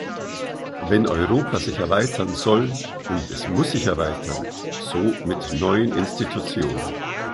Wenn Europa sich erweitern soll, und es muss sich erweitern, so mit neuen Institutionen.